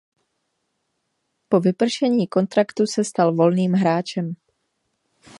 Po vypršení kontraktu se stal volným hráčem.